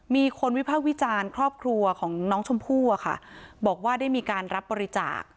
มีคนวิภาควิจารณ์ครอบครัวของน้องชมพู่อะค่ะบอกว่าได้มีการรับบริจาค